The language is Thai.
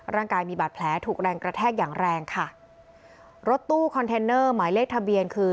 ร่างกายมีบาดแผลถูกแรงกระแทกอย่างแรงค่ะรถตู้คอนเทนเนอร์หมายเลขทะเบียนคือ